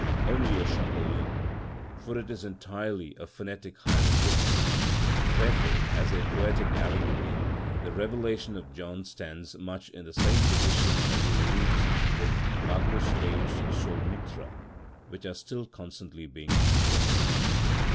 Only a Champollion; for it is entirely a phonetic hieroglyphic. Therefore, as a poetical allegory, the Revelation of John stands much in the same position as the reliefs with Magnus Deus sol Mithra, which are still constantly being explained.